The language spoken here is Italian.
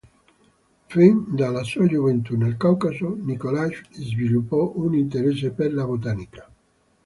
Fin dalla sua gioventù nel Caucaso, Nikolaj sviluppò un interesse per la botanica.